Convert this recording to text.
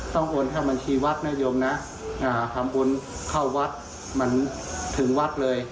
ต้องโอนถ้ามัญชีวัดน่ะโยมนะหาคำวุญเข้าวัดถึงวัดเลย